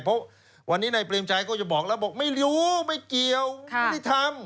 เพราะวันนี้นายเปรมชัยก็จะบอกแล้วบอกไม่รู้ไม่เกี่ยวไม่ได้ทำ